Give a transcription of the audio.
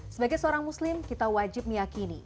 sebagai seorang muslim kita wajib meyakini